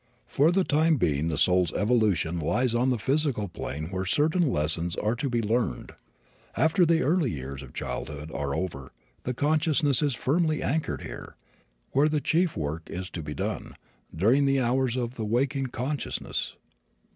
For the time being the soul's evolution lies on the physical plane where certain lessons are to be learned. After the early years of childhood are over the consciousness is firmly anchored here, where the chief work is to be done, during the hours of the waking consciousness.